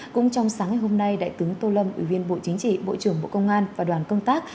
cũng trong sáng ngày hôm nay đại tướng tô lâm ủy viên bộ chính trị bộ trưởng bộ công an và đoàn công tác